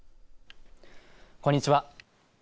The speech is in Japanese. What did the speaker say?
こんにちは。